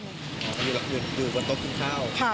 อยู่บนโต๊ะกินข้าว